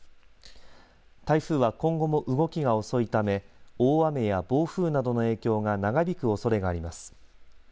台風は今後も動きが遅いため大雨や暴風などの影響が長引くおそれがあります。